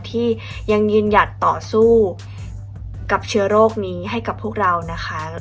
ที่ยังยืนหยัดต่อสู้กับเชื้อโรคนี้ให้กับพวกเรานะคะ